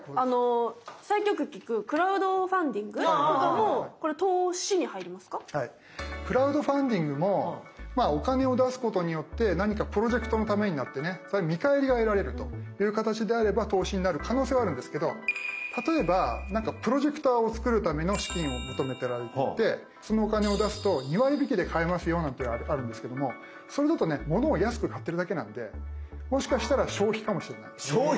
最近よく聞くクラウドファンディングもお金を出すことによって何かプロジェクトのためになってね見返りが得られるという形であれば投資になる可能性はあるんですけど例えば何かプロジェクターを作るための資金を求めていてそのお金を出すと２割引きで買えますよなんていうのあるんですけどもそれだとね物を安く買ってるだけなんでもしかしたら消費かもしれない。